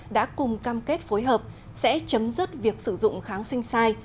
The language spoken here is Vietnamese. đã cùng cam kết phối hợp sẽ chấm dứt việc sử dụng kháng sinh sai